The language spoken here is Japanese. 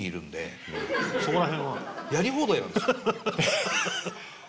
やり放題なんですよ。